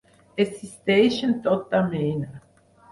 Existeixen tota mena.